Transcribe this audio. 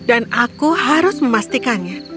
dan aku harus memastikannya